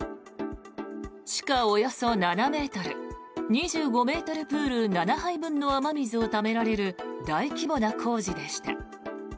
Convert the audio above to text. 地下およそ７ｍ２５ｍプール７杯分の雨水をためられる大規模な工事でした。